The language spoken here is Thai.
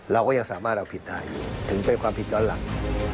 เราก็ยังสามารถเอาผิดได้อยู่ถึงเป็นความผิดย้อนหลัง